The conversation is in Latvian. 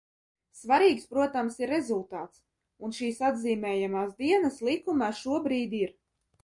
Svarīgs, protams, ir rezultāts, un šīs atzīmējamās dienas likumā šobrīd ir.